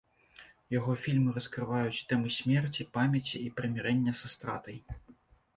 Яго фільмы раскрываюць тэмы смерці, памяці і прымірэння са стратай.